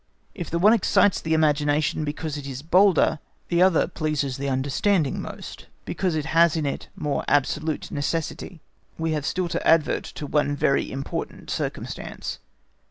If the one excites the imagination more because it is bolder, the other pleases the understanding most, because it has in it more absolute necessity. We have still to advert to one very important circumstance.